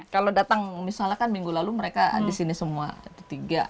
kalau datang misalnya kan minggu lalu mereka disini semua